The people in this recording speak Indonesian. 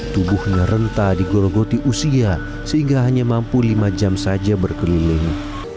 tubuhnya rentah digorogoti usia sehingga hanya mampu lima jam saja berkeliling